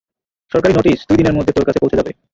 সরকারী নোটিশ দুই দিনের মধ্যে তোর কাছে পৌছে যাবে।